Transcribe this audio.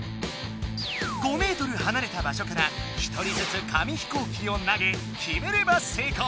５メートルはなれた場所から１人ずつ紙飛行機を投げ決めれば成功！